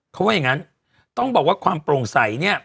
เขาว่าอย่างนั้นต้องบอกว่าความโปร่งใสเนี่ย